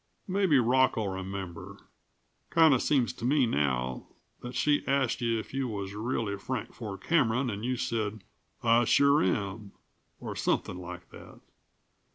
Maybe Rock'll remember. Kinda seems to me now, that she asked you if you was really Frank Ford Cameron, and you said: 'I sure am,' or something like that.